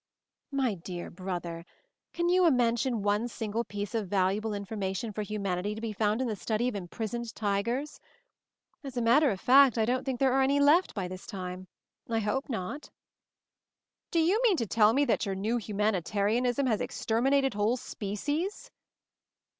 "My dear brother, can you mention one single piece of valuable information for hu manity to be found in the study of impris oned tigers? As a matter of fact, I don't think there are any left by this time ; I hope not." "Do you mean to tell me that your new humanitarianism has exterminated whole species?"